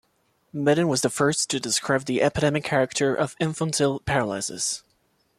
Medin was the first to describe the epidemic character of infantile paralysis.